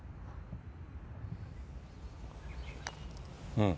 うん。